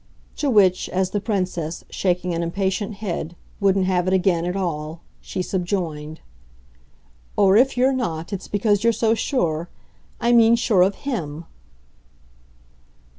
To which, as the Princess, shaking an impatient head, wouldn't have it again at all, she subjoined: "Or if you're not it's because you're so sure. I mean sure of HIM."